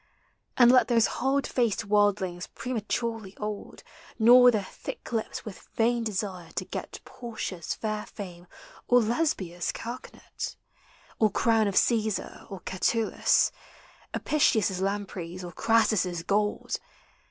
And let Those hard faced worldlings prematurely old Gnaw their thin lips with vain desire to got Portia's fair fa.no or Lesbia's carcanet, Or crown of Caesar or Catullus, Apicius' lampreys or Crassus' gold!